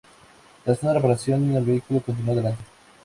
Tras una reparación, el vehículo continuó adelante.